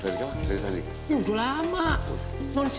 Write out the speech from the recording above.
dari kapan dari tadi